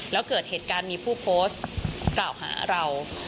แล้วเกิดเหตุการณ์มีผู้โพสต์กล่าวหาเรา